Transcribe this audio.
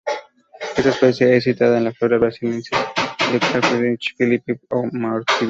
Esta especie es citada en Flora Brasiliensis de Carl Friedrich Philipp von Martius.